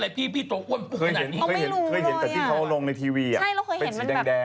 แล้วคุณแม่งมดดำเห็นหรือเปล่าครับ